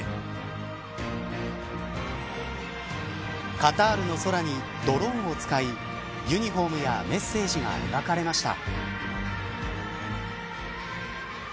カタールの空にドローンを使いユニホームやメッセージが描かれました。